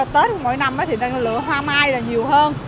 tết mỗi năm thì người ta lựa hoa mai là nhiều hơn